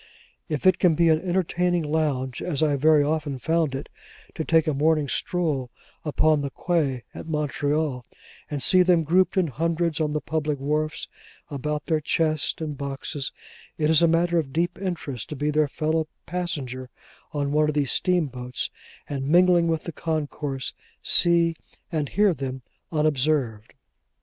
If it be an entertaining lounge (as I very often found it) to take a morning stroll upon the quay at Montreal, and see them grouped in hundreds on the public wharfs about their chests and boxes, it is matter of deep interest to be their fellow passenger on one of these steamboats, and mingling with the concourse, see and hear them unobserved.